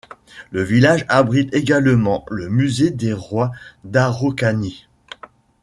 Le village abrite également le musée des Rois d’Araucanie.